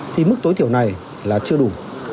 thì mức tối thiểu này là chưa đủ